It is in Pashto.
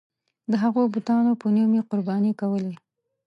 د هغو بتانو په نوم یې قرباني کولې.